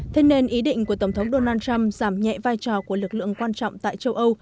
thế nên ý định của tổng thống donald trump giảm nhẹ vai trò của lực lượng quan trọng tại châu âu